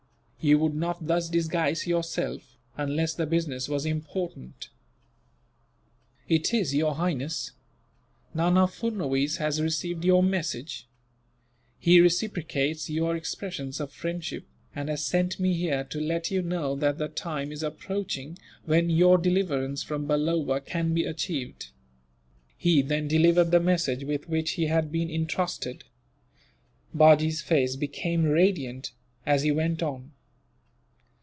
You would not thus disguise yourself, unless the business was important." "It is, Your Highness. Nana Furnuwees has received your message. He reciprocates your expressions of friendship, and has sent me here to let you know that the time is approaching when your deliverance from Balloba can be achieved." He then delivered the message with which he had been entrusted. Bajee's face became radiant, as he went on.